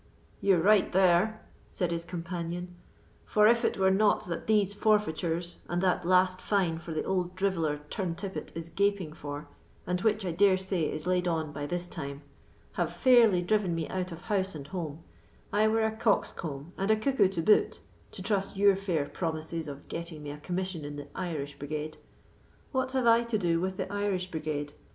"You are right there," said his companion, "for if it were not that these forfeitures, and that last fine that the old driveller Turntippet is gaping for, and which, I dare say, is laid on by this time, have fairly driven me out of house and home, I were a coxcomb and a cuckoo to boot to trust your fair promises of getting me a commission in the Irish brigade. What have I to do with the Irish brigade?